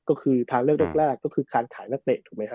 ก็คือทางเลือกแรกก็คือการขายนักเตะถูกไหมฮะ